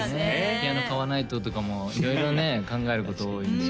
ピアノ買わないととかも色々ね考えること多いんでね